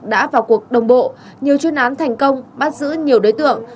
đã vào cuộc đồng bộ nhiều chuyên án thành công bắt giữ nhiều đối tượng